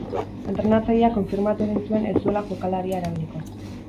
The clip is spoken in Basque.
Entrenatzaileak konfirmatu egin zuen ez zuela jokalaria erabiliko.